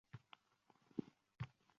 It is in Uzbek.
Uni deb hammayoqni boshiga koʻtardi